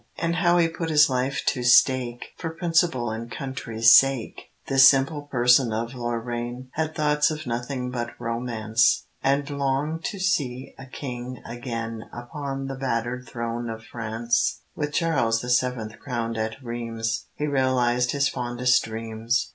And how he put his life to stake, For Principle and Country's sake? This simple person of Lorraine Had thoughts for nothing but Romance, And longed to see a king again Upon the battered throne of France; (With Charles the Seventh crowned at Rheims, He realized his fondest dreams.)